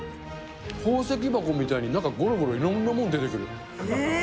宝石箱みたいに、中、ごろごろいろんなもん出てくる。